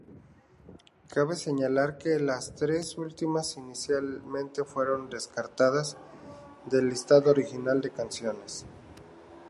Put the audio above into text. Cabe señalar que las tres últimas inicialmente fueron descartadas del listado original de canciones.